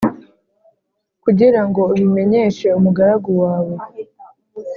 kugira ngo ubimenyeshe umugaragu wawe.